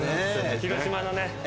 広島のね。